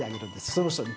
その人に。